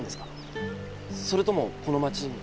それともこの町に？